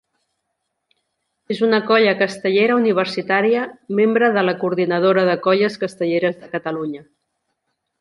És una colla castellera universitària membre de la Coordinadora de Colles Castelleres de Catalunya.